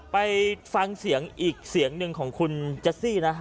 ไปฟังเสียงอีกเสียงหนึ่งของคุณเจสซี่นะ